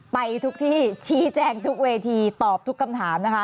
ไปทุกที่ชี้แจงทุกเวทีตอบทุกคำถามนะคะ